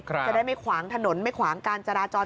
จะได้ไม่ขวางถนนไม่ขวางการจราจร